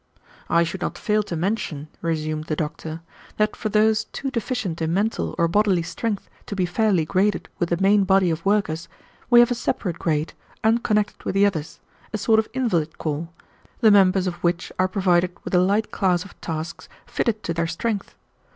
"I should not fail to mention," resumed the doctor, "that for those too deficient in mental or bodily strength to be fairly graded with the main body of workers, we have a separate grade, unconnected with the others, a sort of invalid corps, the members of which are provided with a light class of tasks fitted to their strength.